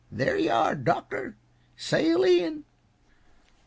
There yuh are, Doctor sail in."